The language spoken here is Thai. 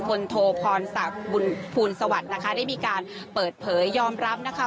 พลโทพรศพูลสวรรค์นะคะได้มีการเปิดเผยยอมรับนะคะ